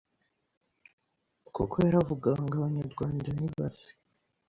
kuko yaravugaga ngo abanyarwamagana nibaze